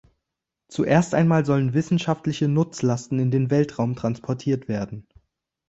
Zuerst einmal sollen wissenschaftliche Nutzlasten in den Weltraum transportiert werden.